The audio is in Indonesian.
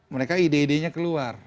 mereka ide idenya keluar